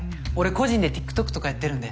個人でＴｉｋＴｏｋとかやってるんで。